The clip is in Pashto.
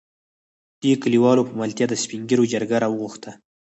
دې کليوالو په ملتيا د سپين ږېرو جرګه راوغښته.